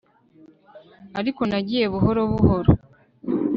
Ariko nagiye buhoro buhoro